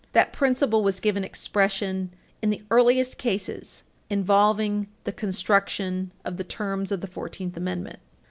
That principle was given expression in the earliest cases involving the construction of the terms of the Fourteenth Amendment.